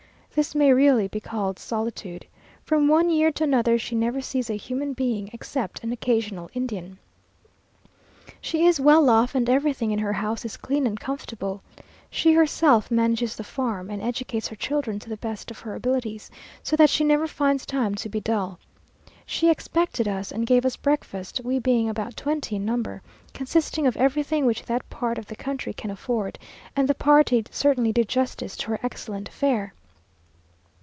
This may really be called solitude. From one year to another she never sees a human being, except an occasional Indian. She is well off, and everything in her house is clean and comfortable. She herself manages the farm, and educates her children to the best of her abilities, so that she never finds time to be dull. She expected us, and gave us breakfast (we being about twenty in number), consisting of everything which that part of the country can afford; and the party certainly did justice to her excellent fare.